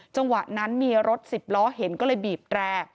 จังหวะนั้นมีรถสิบล้อเห็นก็เลยบีบแตร